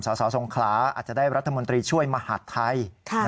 สาวสาวทรงคลาอาจจะได้รัฐมนตรีช่วยมหัฒน์ไทย